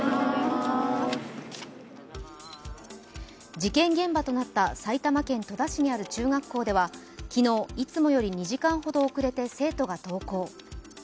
事件現場となった埼玉県戸田市にある中学校では、昨日、いつもより２時間ほど遅れて生徒が登校。